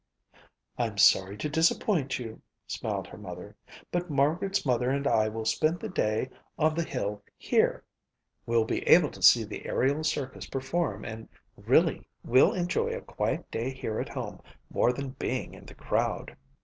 "I'm sorry to disappoint you," smiled her mother, "but Margaret's mother and I will spend the day on the hill here. We'll be able to see the aerial circus perform and really we'll enjoy a quiet day here at home more than being in the crowd."